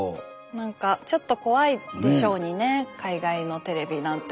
なんかちょっと怖いでしょうにね海外のテレビなんて。